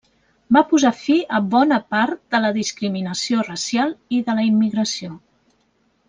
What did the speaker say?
Va posar fi a bona part de la discriminació racial i de la immigració.